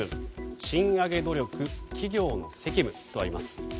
賃上げ努力、企業の責務とあります。